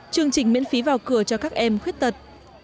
chương trình miễn phí vào cửa cho các em khuyết tật